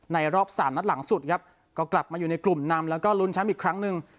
รอบสามนัดหลังสุดครับก็กลับมาอยู่ในกลุ่มนำแล้วก็ลุ้นแชมป์อีกครั้งหนึ่ง